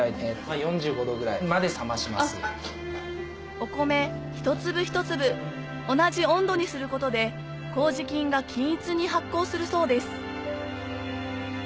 お米一粒一粒同じ温度にすることで麹菌が均一に発酵するそうです